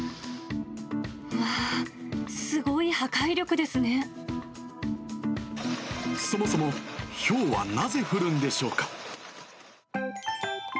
うわあ、そもそも、ひょうはなぜ降るんでしょうか。